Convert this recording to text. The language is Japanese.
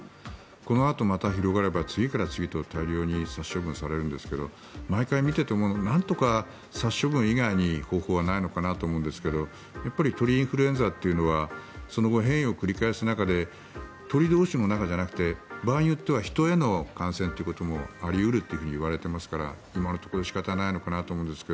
このあと、また広がれば次から次へと殺処分されるんですが毎回思うのがなんとか殺処分以外に方法はないのかなと思うんですがやっぱり鳥インフルエンザというのはその後、変異を繰り返す中で鶏同士の中じゃなくて場合によっては人への感染もあり得るといわれていますから今のところ仕方ないのかなって思いますが